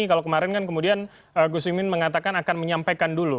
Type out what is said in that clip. kalau kemarin kan kemudian gus imin mengatakan akan menyampaikan dulu